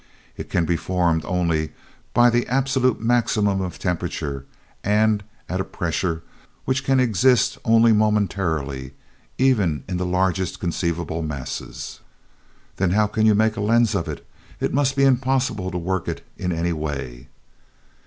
It can be formed only by the absolute maximum of temperature and at a pressure which can exist only momentarily, even in the largest conceivable masses." "Then how can you make a lens of it? It must be impossible to work it in any way."